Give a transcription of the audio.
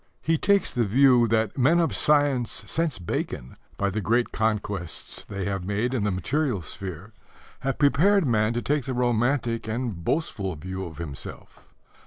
He takes the view that men of science since Bacon, by the great conquests they have made in the material sphere, have prepared man to take the romantic and boastful view of himself.